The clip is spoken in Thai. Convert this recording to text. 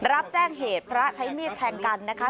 รับแจ้งเหตุพระใช้มีดแทงกันนะคะ